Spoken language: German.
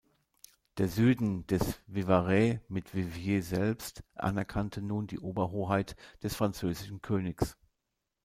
Der Süden des Vivarais mit Viviers selbst, anerkannte nun die Oberhoheit des französischen Königs.